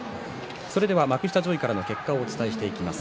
幕下上位からの結果をお伝えしていきます。